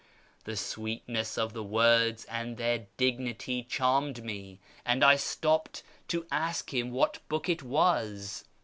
The sweetness of the words and their dignity charmed me, and I stopped to ask :him what book it was.